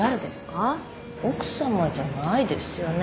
奥さまじゃないですよね？